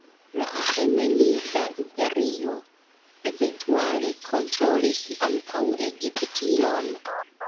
La Aĥemenida Imperio eventuale kontrolis ankaŭ Egiption.